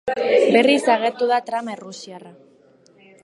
Berriz agertu da trama errusiarra.